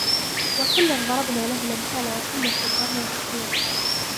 وكلا ضربنا له الأمثال وكلا تبرنا تتبيرا